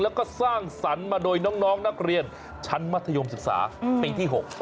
แล้วก็สร้างสรรค์มาโดยน้องนักเรียนชั้นมัธยมศึกษาปีที่๖